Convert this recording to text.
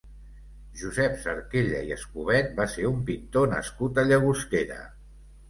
Josep Sarquella i Escobet va ser un pintor nascut a Llagostera.